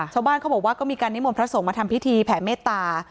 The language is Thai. ชาวบ้านเขาบอกว่าก็มีการนิมนต์พระสงฆ์มาทำพิธีแผ่เมตตา